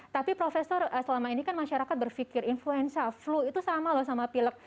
tapi profesor selama ini kan masyarakat berpikir influenza flu itu sama loh sama pilek